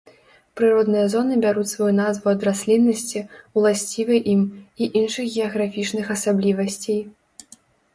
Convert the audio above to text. Прыродныя зоны бяруць сваю назву ад расліннасці, уласцівай ім, і іншых геаграфічных асаблівасцей.